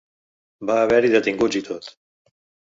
Va haver-hi detinguts i tot.